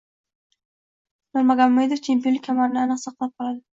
Nurmagomedov chempionlik kamarini aniq saqlab qoladi.